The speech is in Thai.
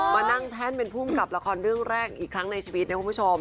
มานั่งแท่นเป็นภูมิกับละครเรื่องแรกอีกครั้งในชีวิตนะคุณผู้ชม